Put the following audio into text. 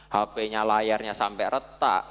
hp nya layarnya sampai retak